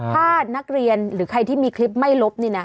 ถ้านักเรียนหรือใครที่มีคลิปไม่ลบนี่นะ